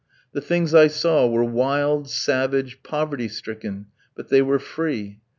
The things I saw were wild, savage, poverty stricken; but they were free.